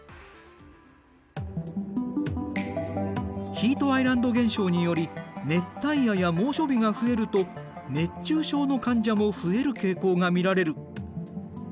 ヒートアイランド現象により熱帯夜や猛暑日が増えると熱中症の患者も増える傾向が見られる。